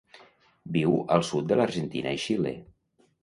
Viu al sud de l'Argentina i Xile.